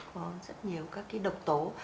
có rất nhiều các cái độc tố